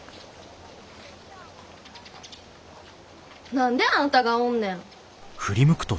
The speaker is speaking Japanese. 何であんたがおんねん！？